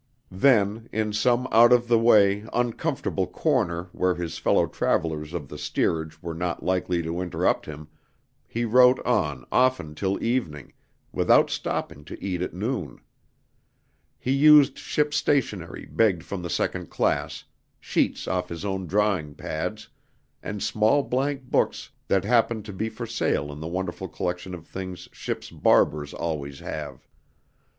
Then, in some out of the way, uncomfortable corner where his fellow travelers of the steerage were not likely to interrupt him, he wrote on often till evening, without stopping to eat at noon. He used ship's stationery begged from the second class, sheets off his own drawing pads, and small blank books that happened to be for sale in the wonderful collection of things ships' barbers always have.